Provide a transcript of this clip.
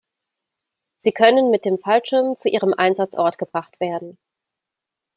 Sie können mit dem Fallschirm zu ihrem Einsatzort gebracht werden.